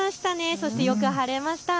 そしてよく晴れました。